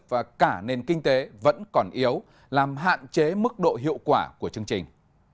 và cả nền kinh tế vẫn còn yếu làm hạn chế mức độ hiệu quả của chương trình